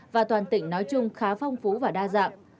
và toàn tỉnh nói chung khá phong phú và đa dạng